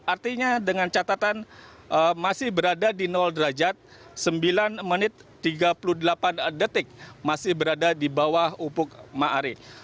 artinya dengan catatan masih berada di derajat sembilan menit tiga puluh delapan detik masih berada di bawah upuk ⁇ ari ⁇